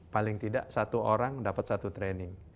paling tidak satu orang dapat satu training